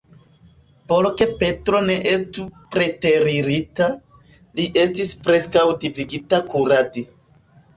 Por ke Petro ne estu preteririta, li estis preskaŭ devigita kuradi.